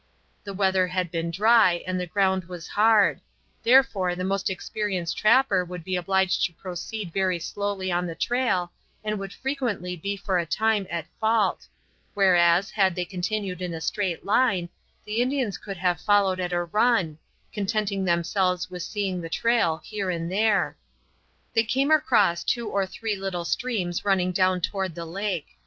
The weather had been dry and the ground was hard; therefore the most experienced trapper would be obliged to proceed very slowly on the trail and would frequently be for a time at fault; whereas, had they continued in a straight line, the Indians could have followed at a run, contenting themselves with seeing the trail here and there. They came across two or three little streams running down toward the lake.